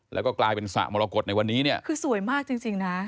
แล้วก็กลายเป็นสระมรกฏในวันนี้เนี่ยคือสวยมากจริงจริงนะ